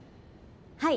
はい。